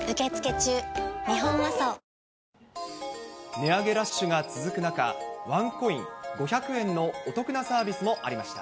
値上げラッシュが続く中、ワンコイン、５００円のお得なサービスもありました。